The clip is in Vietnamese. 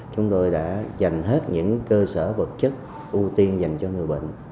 chúng tôi đã dành hết những cơ sở vật chất ưu tiên dành cho người bệnh